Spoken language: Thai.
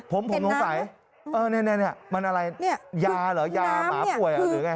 ผมสงสัยนี่มันอะไรยาเหรอยาหมาป่วยหรือไง